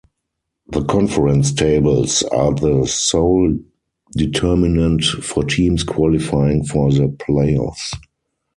The conference tables are the sole determinant for teams qualifying for the playoffs.